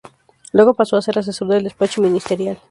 Luego pasó a ser Asesor del Despacho Ministerial.